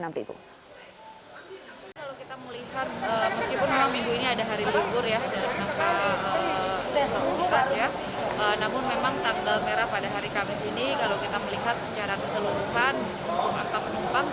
namun memang tanggal merah pada hari kamis ini kalau kita melihat secara keseluruhan untuk angka penumpang